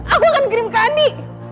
aku akan kirim ke andi